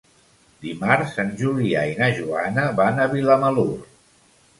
Dimarts en Julià i na Joana van a Vilamalur.